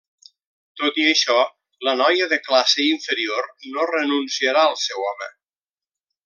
Tot i això, la noia de classe inferior no renunciarà al seu home.